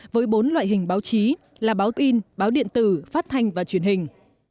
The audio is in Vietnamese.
với bốn loại hình báo chí là báo tin báo điện tử phát thanh và truyền hình